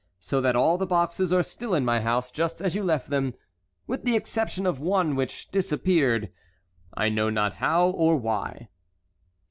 So that all the boxes are still in my house just as you left them, with the exception of one which disappeared, I know not how or why."